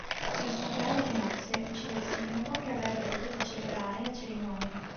Per ostacolare le nozze, uccide il sindaco che avrebbe dovuto celebrare la cerimonia.